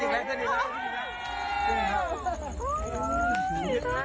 นี่แหละนี่แหละ